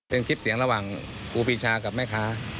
เป็นคลิปเสียงระหว่างครูปีชากับแม่ค้า